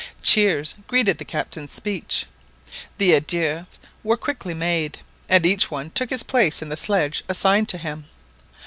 Cheers greeted the Captain's speech, the adieux were quickly made, and each one took his place in the sledge assigned to him.